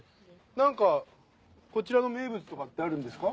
何かこちらの名物とかってあるんですか？